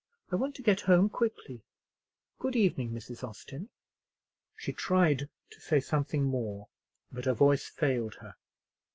I want to get home quickly. Good evening, Mrs. Austin." She tried to say something more, but her voice failed her.